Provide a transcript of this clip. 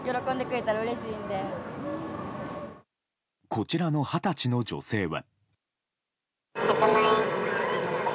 こちらの二十歳の女性は。